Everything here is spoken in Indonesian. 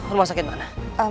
rumah sakit mana